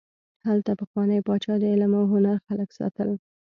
هلته پخواني پاچا د علم او هنر خلک ساتل.